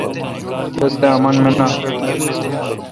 رستہ آمن مینا۔